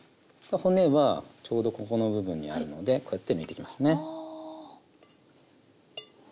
骨はちょうどここの部分にあるのでこうやって抜いていきますね。